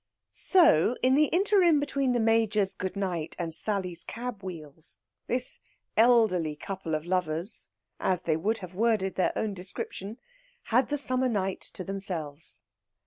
So, in the interim between the Major's good night and Sally's cab wheels, this elderly couple of lovers (as they would have worded their own description) had the summer night to themselves.